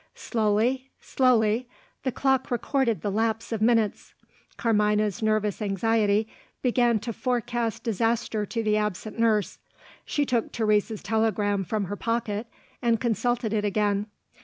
Slowly, slowly, the clock recorded the lapse of minutes. Carmina's nervous anxiety began to forecast disaster to the absent nurse. She took Teresa's telegram from her pocket, and consulted it again.